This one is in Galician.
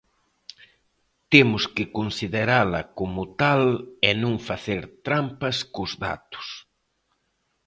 Temos que considerala como tal e non facer trampas cos datos.